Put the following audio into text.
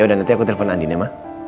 yaudah nanti aku telepon andin ya ma